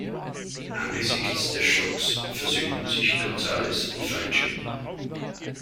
Angesichts des Schocks versöhnten sich González und Fangio.